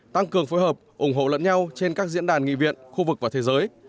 tăng cường phối hợp ủng hộ lẫn nhau trên các diễn đàn nghị viện khu vực và thế giới